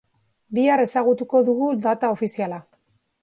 Bihar ezagutuuko dugu data ofiziala.